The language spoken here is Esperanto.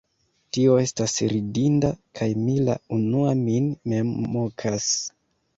Tio estas ridinda, kaj mi la unua min mem mokas.